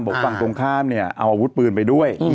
บอกว่าฝั่งตรงข้ามเอาอาวุธปืนไปด้วย